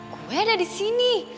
gue ada disini